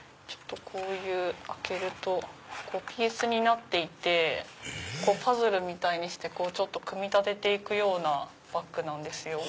開けるとピースになっていてパズルみたいにして組み立てていくようなバッグです。